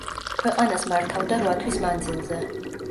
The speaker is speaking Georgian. ქვეყანას მართავდა რვა თვის მანძილზე.